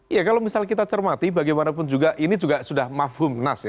ya kalau misalnya kita cermati bagaimanapun juga ini juga sudah mafhum nas ya